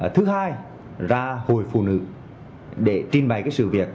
thứ hai ra hội phụ nữ để trình bày cái sự việc